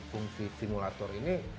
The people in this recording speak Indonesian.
fungsi simulator ini